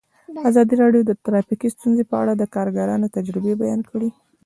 ازادي راډیو د ټرافیکي ستونزې په اړه د کارګرانو تجربې بیان کړي.